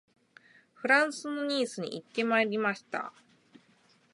フランスのニースに行ってまいりました